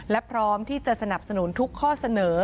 และพร้อมที่จะสนับสนุนทุกข้อเสนอ